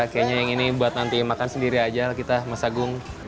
kayaknya yang ini buat nanti makan sendiri aja kita mas agung